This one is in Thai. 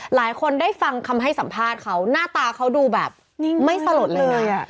หลายคนได้ฟังคำให้สัมภาษณ์เขาหน้าตาเขาดูแบบไม่สลดเลย